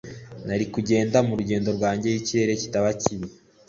nari kugenda mu rugendo rwanjye iyo ikirere kitaba kibi